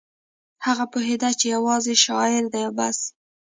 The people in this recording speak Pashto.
هغه پوهېده چې یوازې شاعر دی او بس